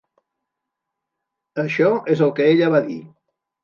Això és el que ella va dir!